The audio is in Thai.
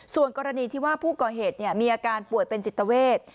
ส่วนกรณีที่ว่าผู้ก่อเหตุมีอาการป่วยเป็นจิตเวท